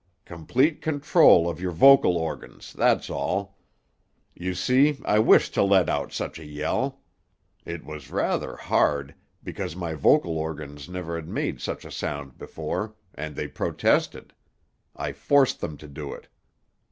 Complete control of your vocal organs, that's all. You see I wished to let out just such a yell. It was rather hard, because my vocal organs never had made such a sound before, and they protested. I forced them to do it.